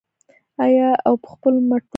آیا او په خپلو مټو نه وي؟